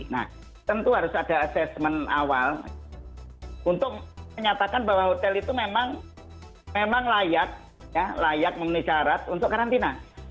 nah tentu harus ada assessment awal untuk menyatakan bahwa hotel itu memang layak memenuhi syarat untuk karantina